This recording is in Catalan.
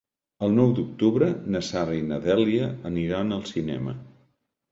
El nou d'octubre na Sara i na Dèlia aniran al cinema.